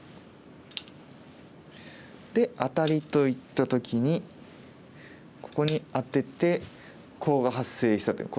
でアタリといった時にここにアテてコウが発生したという。